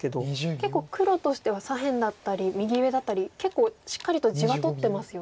結構黒としては左辺だったり右上だったり結構しっかりと地は取ってますよね。